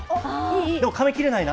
でもかみきれないな。